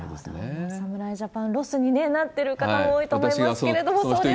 侍ジャパンロスになってる方も多いと思いますけれども。